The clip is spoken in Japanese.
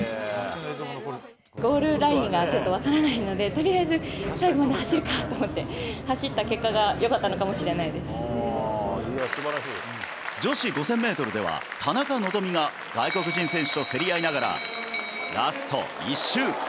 ゴールラインがちょっと分からないので、とりあえず、最後まで走るかと思って、走った結果が女子５０００メートルでは、田中希実が外国人選手と競り合いながら、ラスト１周。